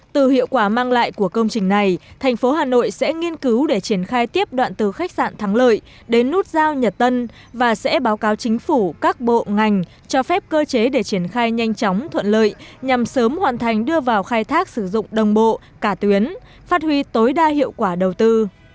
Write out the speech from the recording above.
từ hiệu quả mang lại của công trình này thành phố hà nội sẽ nghiên cứu để triển khai tiếp đoạn từ khách sạn thắng lợi đến nút giao nhật tân và sẽ báo cáo chính phủ các bộ ngành cho phép cơ chế để triển khai nhanh chóng thuận lợi nhằm sớm hoàn thành đưa vào khai thác sử dụng đồng bộ cả tuyến phát huy tối đa hiệu quả đầu tư